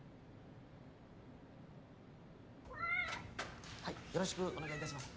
ニャはいよろしくお願いいたします